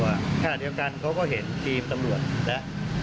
ขณะเดียวกันเขาก็เห็นทีมตำรวจแล้ว